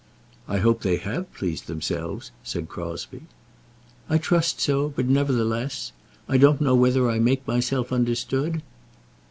"I hope they have pleased themselves," said Crosbie. "I trust so; but nevertheless, I don't know whether I make myself understood?"